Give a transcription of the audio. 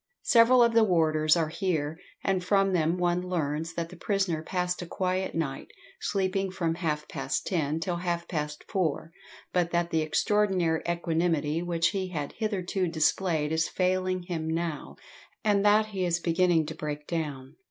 Several of the warders are here, and from them one learns that the prisoner passed a quiet night, sleeping from half past ten till half past four, but that the extraordinary equanimity which he had hitherto displayed is failing him now, and that he is beginning to "break down."